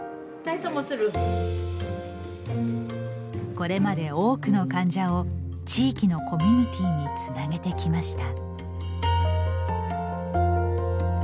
これまで多くの患者を地域のコミュニティーにつなげてきました。